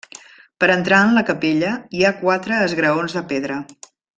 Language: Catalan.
Per entrar en la capella, hi ha quatre esgraons de pedra.